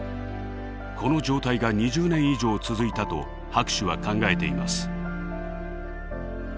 この状態が２０年以上続いたと博士は考えています。